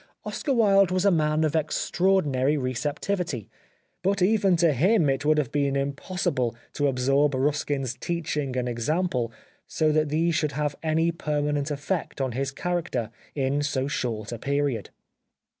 Oscar Wilde was a man of extraordinary receptivity, but even to him it would have been impossible to absorb Ruskin's teachings and example so that these should 126 The Life of Oscar Wilde have any permanent effect on his character, in so short a period.